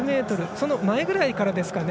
その前ぐらいからですかね。